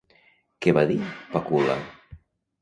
Què va dir Pacul·la?